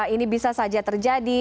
ini bisa saja terjadi